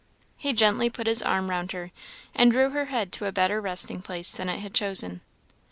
He gently put his arm round her, and drew her head to a better resting place than it had chosen.